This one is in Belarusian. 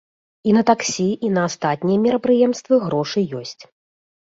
І на таксі, і на астатнія мерапрыемствы грошы ёсць.